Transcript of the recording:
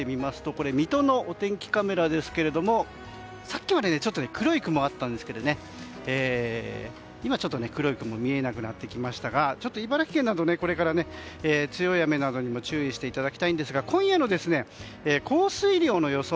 水戸のお天気カメラですがさっきまで黒い雲があったんですが今、ちょっと黒い雲が見えなくなってきましたが茨城県などこれから強い雨などにも注意していただきたいんですが今夜の降水量の予想